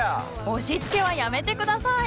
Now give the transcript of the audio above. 押しつけはやめて下さい！